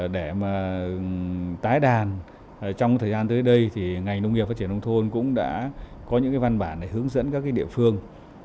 để mà tái đàn trong thời gian tới đây thì ngành nông nghiệp phát triển nông thôn cũng đã có những văn bản để hướng dẫn các địa phương